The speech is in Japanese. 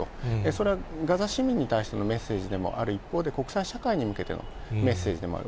それはガザ市民に対してのメッセージでもある一方で、国際社会に向けてのメッセージでもある。